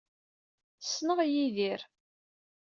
Ssneɣ Yidir.